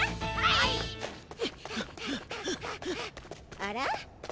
あら？